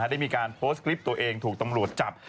ได้มีการโพสต์คลิปตัวเองถูกตำรวจจับ